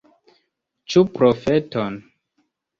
Ĉu profeton?